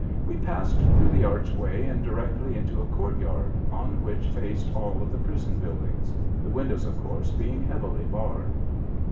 We passed through the archway and directly into a courtyard, on which faced all of the prison buildings, the windows, of course, being heavily barred.